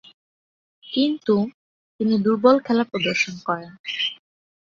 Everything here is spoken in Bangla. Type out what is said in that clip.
কিন্তু, তিনি দূর্বল খেলা প্রদর্শন করেন।